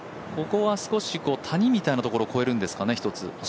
ここは少し谷みたいなところを越えるんですかね。